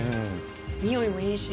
においもいいし。